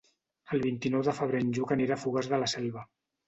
El vint-i-nou de febrer en Lluc anirà a Fogars de la Selva.